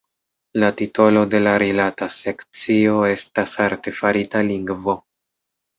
La titolo de la rilata sekcio estas Artefarita lingvo.